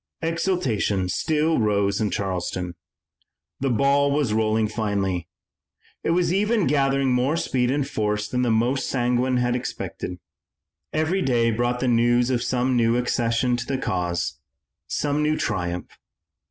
Exultation still rose in Charleston. The ball was rolling finely. It was even gathering more speed and force than the most sanguine had expected. Every day brought the news of some new accession to the cause, some new triumph.